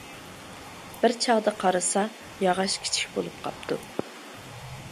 بىر چاغدا قارىسا، ياغاچ كىچىك بولۇپ قاپتۇ.